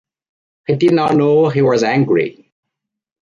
He did not know he was angry.